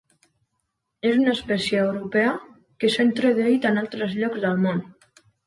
És una espècie europea que s'ha introduït en altres llocs del món.